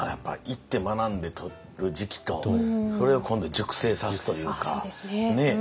行って学んでとる時期とそれを今度熟成さすというか。